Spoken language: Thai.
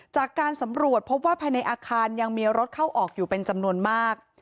จากการสำรวจพบว่าภายในอาคารยังมีรถเข้าออกอยู่เป็นจำนวนมาก